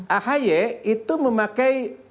ahy itu memakai